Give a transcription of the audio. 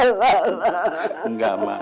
enggak mak enggak mak